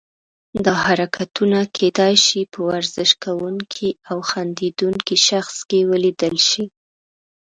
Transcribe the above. دا حرکتونه کیدای شي په ورزش کوونکي او خندیدونکي شخص کې ولیدل شي.